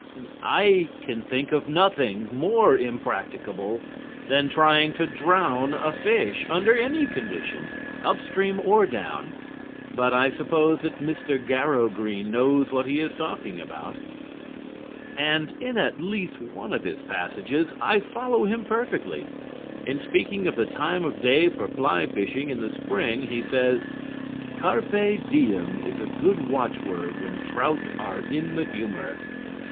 I can think of nothing more impracticable than trying to drown a fish under any conditions, upstream or down, but I suppose that Mr. Garrow Green knows what he is talking about. And in at least one of his passages I follow him perfectly. In speaking of the time of day for fly fishing in the spring he says: "'Carpe diem' is a good watchword when trout are in the humor."